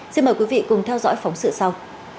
xin mời quý vị cùng theo dõi phóng sự sau